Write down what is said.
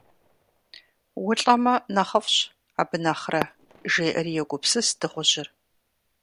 УлӀэмэ, нэхъыфӀщ, абы нэхърэ, жеӏэри йогупсыс дыгъужьыр.